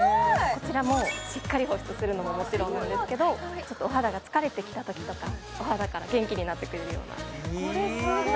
こちらもしっかり保湿するのはもちろんですけどちょっとお肌が疲れてきたときとかお肌から元気になってくれるようなこれすごい！